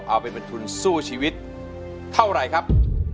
เอาเป็นทุนสู้ชีวิตเท่าไหร่ครับ